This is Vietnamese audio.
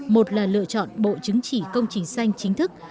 một là lựa chọn bộ chứng chỉ công trình xanh chính thức